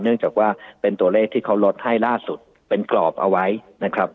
เนื่องจากว่าเป็นตัวเลขที่เขาลดให้ล่าสุดเป็นกรอบเอาไว้นะครับ